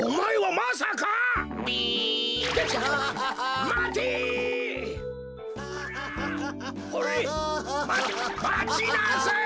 まちなさい。